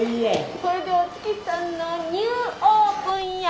・これで「お月さん」のニューオープンや！